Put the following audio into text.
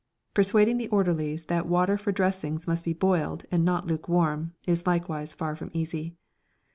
Persuading the orderlies that water for dressings must be boiled, and not lukewarm, is likewise far from easy.